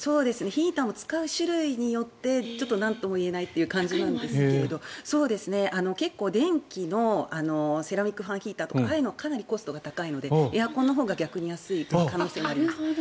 ヒーターも使う種類によってちょっとなんとも言えないという感じなんですが結構、電気のセラミックファンヒーターとかああいうのはかなりコストが高いのでエアコンのほうが逆に安い可能性もあります。